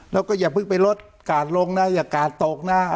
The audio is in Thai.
แล้วก็อย่าพึ่งไปรถกาดลงอย่ากาดตก